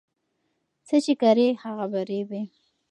څه چې کري هغه به رېبې